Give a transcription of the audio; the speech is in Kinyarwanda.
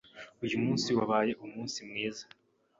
Uyu munsi wabaye umunsi mwiza.